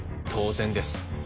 当然です。